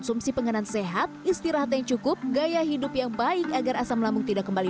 konsumsi pengen sehat istirahat yang cukup gaya hidup yang baik agar asam lambung tidak kembali